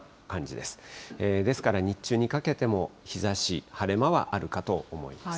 ですから日中にかけても、日ざし、晴れ間はあるかと思います。